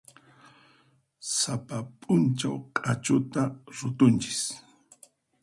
Sapa p'unchay q'achuta rutunchis.